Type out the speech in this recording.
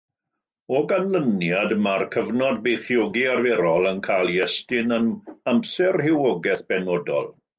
O ganlyniad, mae'r cyfnod beichiogi arferol yn cael ei estyn am amser rhywogaeth-benodol.